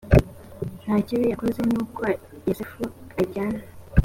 nta kibi yakoze nuko yozefu ajyana